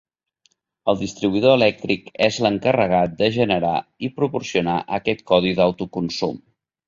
El distribuïdor elèctric és l'encarregat de generar i proporcionar aquest codi d'autoconsum.